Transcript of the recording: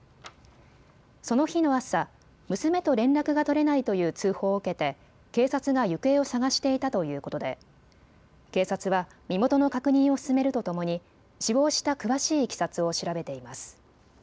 その日の朝、娘と連絡が取れないという通報を受けて警察が行方を捜していたということで警察は身元の確認を進めるとともに死亡した詳しいいきさつを調べています。